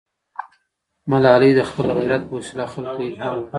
ملالۍ د خپل غیرت په وسیله خلکو ته الهام ورکړ.